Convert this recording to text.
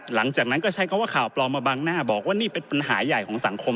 หลังจากนั้นก็ใช้คำว่าข่าวปลอมมาบังหน้าบอกว่านี่เป็นปัญหาใหญ่ของสังคม